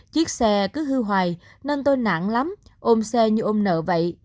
chiếc xe cứ hư hoài nên tôi nặng lắm ôm xe như ôm nợ vậy